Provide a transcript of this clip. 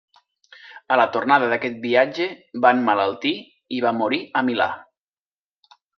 A la tornada d'aquest viatge va emmalaltir i va morir a Milà.